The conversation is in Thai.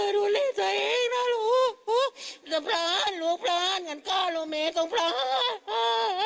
ดูเล่นตัวเองนะลูกสะพร้านลูกพร้านกันก้าวโลเมตรของพร้าน